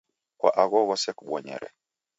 Kwa agho ghose kubonyere.